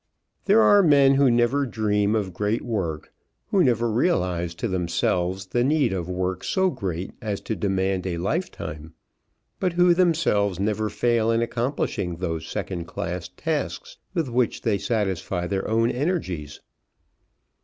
There are men who never dream of great work, who never realise to themselves the need of work so great as to demand a lifetime, but who themselves never fail in accomplishing those second class tasks with which they satisfy their own energies.